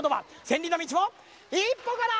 千里の道も一歩から！